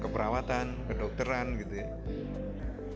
keperawatan kedokteran gitu ya